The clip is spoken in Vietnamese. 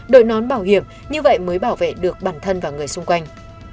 đội nón bảo hiểm như vậy mới bảo vệ được bản thân và người xung quanh